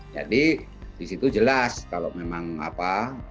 jadi di situ jelas kalau memang apa